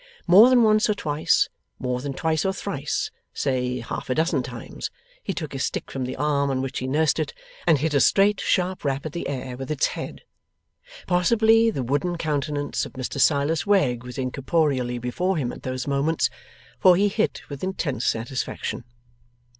More than once or twice, more than twice or thrice, say half a dozen times, he took his stick from the arm on which he nursed it, and hit a straight sharp rap at the air with its head. Possibly the wooden countenance of Mr Silas Wegg was incorporeally before him at those moments, for he hit with intense satisfaction.